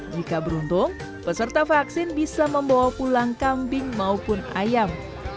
jika beruntung peserta vaksin bisa membawa pulang kambing maupun ayam